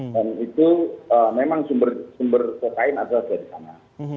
dan itu memang sumber kokain adalah dari sana